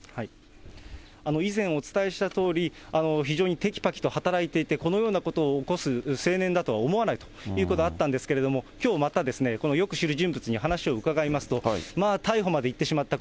以前、お伝えしたとおり、非常にてきぱきと働いていて、このようなことを起こす青年だとは思わないということがあったんですけれども、きょうまた、よく知る人物に話を伺いますと、まあ、逮捕までいってしまった、